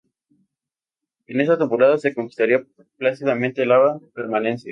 En esta temporada se conquistaría plácidamente la permanencia.